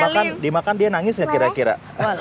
ini kalau dimakan dia nangis gak kira kira